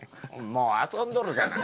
もう遊んどるがな。